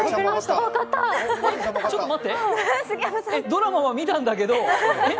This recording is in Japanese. ドラマは見たんだけど。